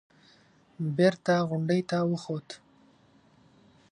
بېرته غونډۍ ته وخوت.